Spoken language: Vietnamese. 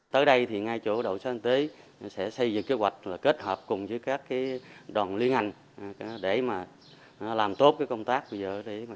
tới đây thì ngay chỗ đội xã hội tế sẽ xây dựng kế hoạch kết hợp cùng với các đoàn liên hành để mà làm tốt công tác bây giờ